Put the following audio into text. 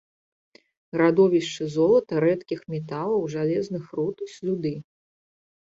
Радовішчы золата, рэдкіх металаў, жалезных руд, слюды.